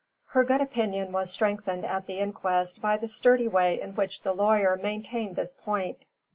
Her good opinion was strengthened at the inquest by the sturdy way in which the lawyer maintained this point.